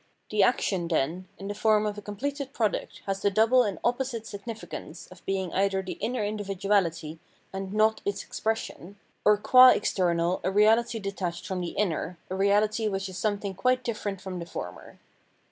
The action, then, in the form of a completed product has the double and opposite significance of being either the inner individuaUty and not its expression, or qua external a reality detached from the inner, a reahty which is something quite different from the former.